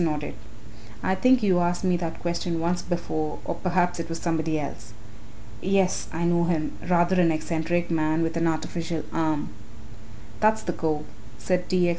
nodded. "I think you asked me that question once before, or perhaps it was somebody else. Yes, I know him, rather an eccentric man with an artificial arm." "That's the cove," said T. X.